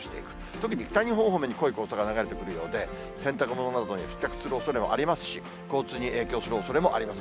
特に北日本方面に濃い黄砂が流れてくるようで、洗濯物などに付着するおそれもありますし、交通に影響するおそれもあります。